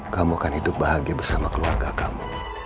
kamu akan hidup bahagia bersama keluarga kamu